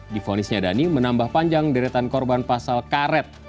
difonisnya dhani menambah panjang deretan korban pasal karet